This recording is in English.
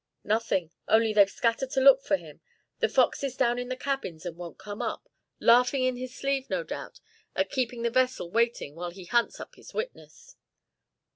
"Nothing, only they've scattered to look for him; the fox is down in the cabins and won't come up, laughing in his sleeve, no doubt, at keeping the vessel waiting while he hunts up his witness."